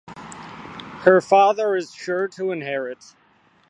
Her father is sure to inherit.